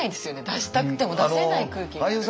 出したくても出せない空気がある。